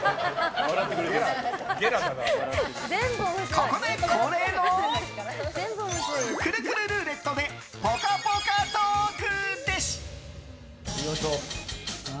ここで恒例のくるくるルーレットでぽかぽかトーク。